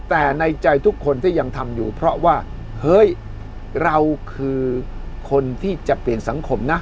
แต่ในใจทุกคนที่ยังทำอยู่เพราะว่าเฮ้ยเราคือคนที่จะเปลี่ยนสังคมนะ